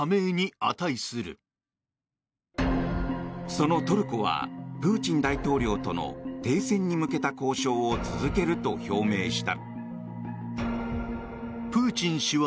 そのトルコはプーチン大統領との停戦に向けた交渉を続けると表明した。